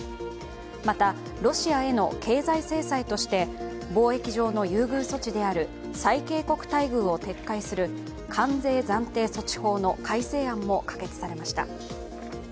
また、ロシアへの経済制裁として貿易上の優遇措置である最恵国待遇を撤回する関税暫定措置法の改正案も可決されました。